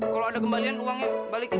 kalau ada kembalian uangnya balikin